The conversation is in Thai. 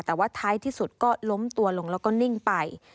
แต่ว่าท้ายที่สุดก็ล้มตัวลงแล้วก็นิ่งไป